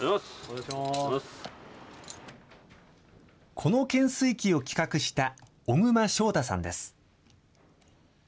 この懸垂器を企画した、小熊將太さんです。